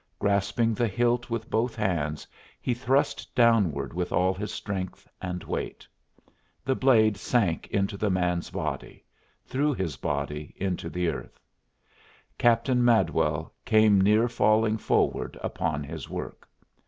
Grasping the hilt with both hands, he thrust downward with all his strength and weight. The blade sank into the man's body through his body into the earth; Captain Madwell came near falling forward upon his work.